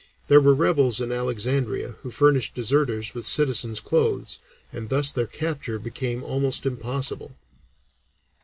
There were rebels in Alexandria who furnished deserters with citizens' clothes and thus their capture became almost impossible."